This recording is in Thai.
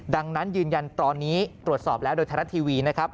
ดังนั้นยืนยันตอนนี้ตรวจสอบแล้วโดยไทยรัฐทีวีนะครับ